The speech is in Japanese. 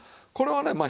これはね